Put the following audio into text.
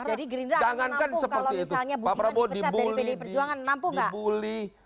jadi gerindra akan nampung kalau misalnya bung karno dipecat dari pdm perjuangan nampung gak